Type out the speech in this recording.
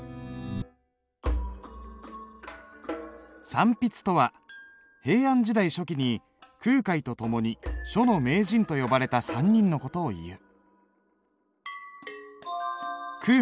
三筆とは平安時代初期に空海と共に書の名人と呼ばれた３人の事をいう。